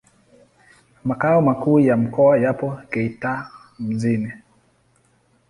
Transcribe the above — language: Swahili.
Makao makuu ya mkoa yapo Geita mjini.